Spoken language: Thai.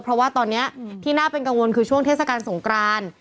เพราะว่าตอนนี้ที่น่าเป็นกังวลคือช่วงเทศกาลสงกราน